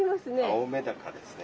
青メダカですね。